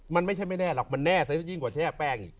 มันไม่ใช่ไม่แน่หรอกมันแน่ซะยิ่งกว่าแช่แป้งอีก